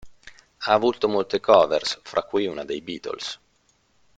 Ha avuto molte "covers", fra cui una dei Beatles.